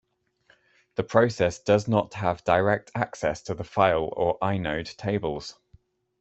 The process does not have direct access to the file or inode tables.